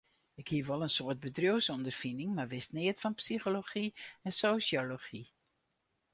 Ik hie wol in soad bedriuwsûnderfining, mar wist neat fan psychology en sosjology.